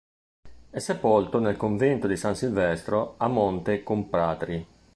È sepolto nel convento di San Silvestro a Monte Compatri.